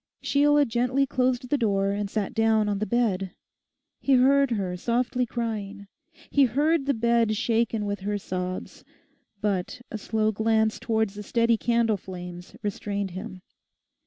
Sheila gently closed the door and sat down on the bed. He heard her softly crying, he heard the bed shaken with her sobs. But a slow glance towards the steady candle flames restrained him.